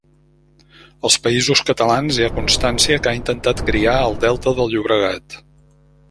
Als Països Catalans, hi ha constància que ha intentat criar al Delta del Llobregat.